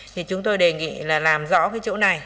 thì chúng tôi đề nghị là làm rõ cái chỗ này